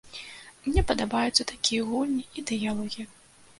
Мне падабаюцца такія гульні і дыялогі.